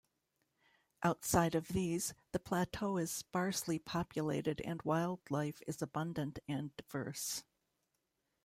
Outside of these, the plateau is sparsely populated and wildlife is abundant and diverse.